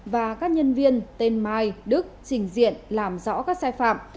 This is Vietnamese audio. và các nhân viên tên mai đức trình diện làm rõ các sai phạm